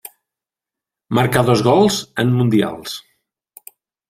Marcà dos gols en mundials.